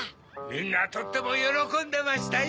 みんなとってもよろこんでましたよ。